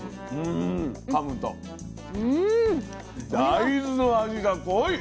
大豆の味が濃い。